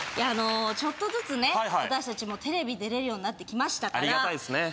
ちょっとずつね私たちもテレビ出れるようになってきましたからありがたいですね